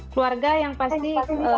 keluarga yang pasti